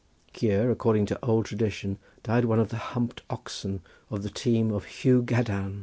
Here according to old tradition died one of the humped oxen of the team of Hu Gadarn.